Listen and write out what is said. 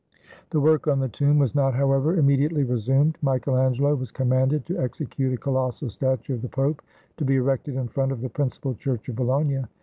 The work on the tomb was not, however, immediately resumed. Michael Angelo was commanded to execute a colossal statue of the Pope to be erected in front of the principal church of Bologna.